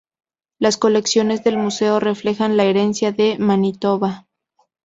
Las colecciones del museo reflejan la herencia de Manitoba.